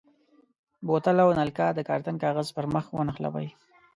بوتل او نلکه د کارتن کاغذ پر مخ ونښلوئ.